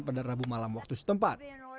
pada rabu malam waktu setempat